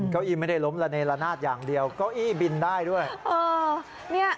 เก้าอี้ไม่ได้ล้มระเนละนาดอย่างเดียวเก้าอี้บินได้ด้วย